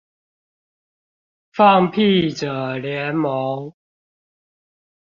放屁者聯盟